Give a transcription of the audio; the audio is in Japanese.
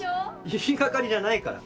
言い掛かりじゃないから。